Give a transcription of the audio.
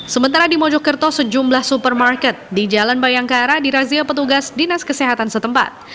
sementara di mojokerto sejumlah supermarket di jalan bayangkara dirazia petugas dinas kesehatan setempat